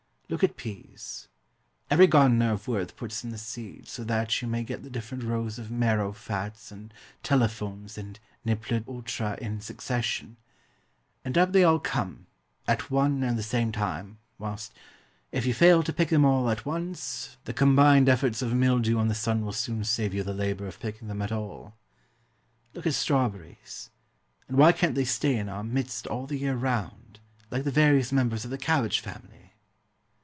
Look at peas. Every gardener of worth puts in the seed so that you may get the different rows of marrow fats and telephones and ne plus ultras in "succession"; and up they all come, at one and the same time, whilst, if you fail to pick them all at once, the combined efforts of mildew and the sun will soon save you the labour of picking them at all. Look at strawberries; and why can't they stay in our midst all the year round, like the various members of the cabbage family?